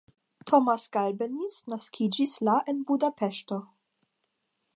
Tomasz Galbenisz naskiĝis la en Budapeŝto.